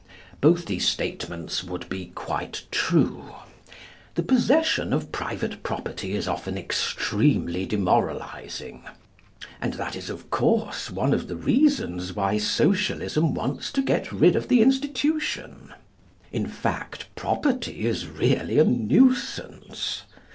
Both these statements would be quite true. The possession of private property is very often extremely demoralising, and that is, of course, one of the reasons why Socialism wants to get rid of the institution. In fact, property is really a nuisance.